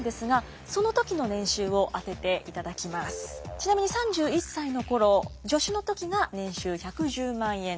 ちなみに３１歳の頃助手の時が年収１１０万円です。